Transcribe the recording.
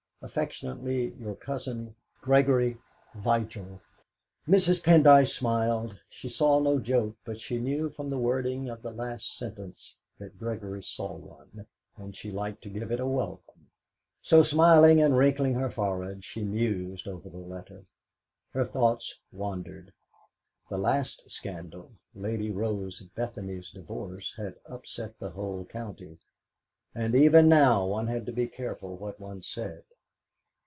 "Affectionately your cousin, "GREGORY VIGIL." Mrs. Pendyce smiled. She saw no joke, but she knew from the wording of the last sentence that Gregory saw one, and she liked to give it a welcome; so smiling and wrinkling her forehead, she mused over the letter. Her thoughts wandered. The last scandal Lady Rose Bethany's divorce had upset the whole county, and even now one had to be careful what one said.